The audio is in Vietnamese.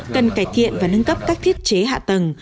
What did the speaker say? cần cải thiện và nâng cấp các thiết chế hạ tầng